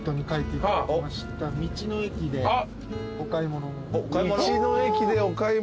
道の駅でお買い物！